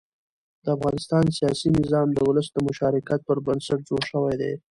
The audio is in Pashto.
د افغانستان سیاسي نظام د ولس د مشارکت پر بنسټ جوړ شوی دی